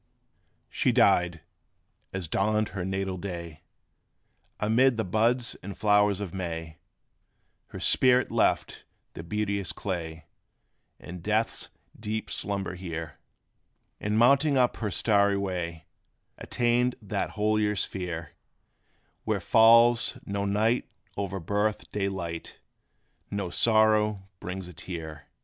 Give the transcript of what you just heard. She died, as dawned her natal day! Amid the buds and flowers of May Her spirit left the beauteous clay, In death's deep slumber here; And mounting up her starry way, Attained that holier sphere, Where falls no night o'er birth day light No sorrow brings a tear.